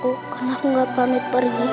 sekarang pasti aura lagi susah